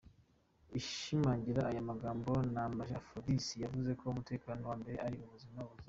Ashimangira aya magambo Nambaje Aphrodice yavuze ko umutekano wa mbere ari ubuzima buzira umuze.